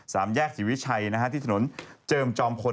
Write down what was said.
สามแยกศรีวิชัยนะฮะที่ถนนเจิมจอมพล